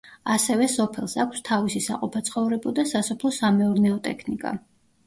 ასევე სოფელს აქვს თავისი საყოფაცხოვრებო და სასოფლო-სამეურნეო ტექნიკა.